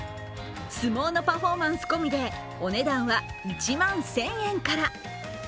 相撲のパフォーマンス込みでお値段は１万１０００円から。